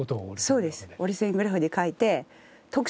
そうです。